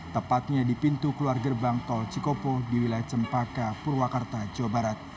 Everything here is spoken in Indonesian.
tepatnya di pintu keluar gerbang tol cikopo di wilayah cempaka purwakarta jawa barat